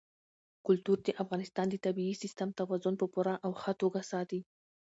کلتور د افغانستان د طبعي سیسټم توازن په پوره او ښه توګه ساتي.